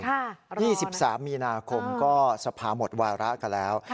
ค่ะรอนะครับค่ะ๒๓มีนาคมก็สภาหมดวาระกันแล้ว